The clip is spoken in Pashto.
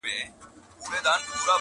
چي دولت لري صاحب د لوړ مقام دي.